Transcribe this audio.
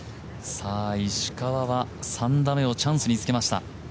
石川は３打目をチャンスにつけました。